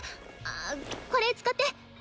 これ使って。